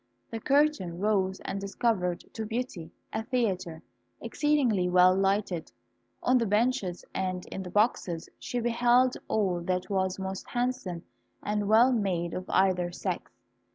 The curtain rose and discovered to Beauty a theatre, exceedingly well lighted. On the benches and in the boxes she beheld all that was most handsome and well made of either sex.